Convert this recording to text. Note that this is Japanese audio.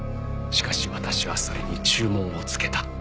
しかし私はそれに注文をつけた。